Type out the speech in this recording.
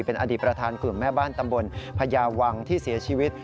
เป็นอดีตประธานกลุ่มแม่บ้านตำบลพญาวังที่เสียชีวิต